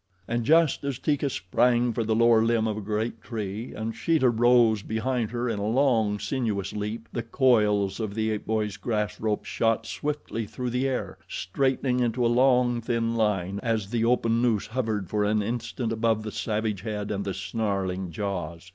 And just as Teeka sprang for the lower limb of a great tree, and Sheeta rose behind her in a long, sinuous leap, the coils of the ape boy's grass rope shot swiftly through the air, straightening into a long thin line as the open noose hovered for an instant above the savage head and the snarling jaws.